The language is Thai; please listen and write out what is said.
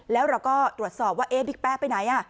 แล้วเราก็ตรวจสอบว่าบิ๊กแป้ไปไหน